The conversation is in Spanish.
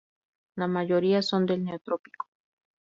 La mayoría son del Neotrópico.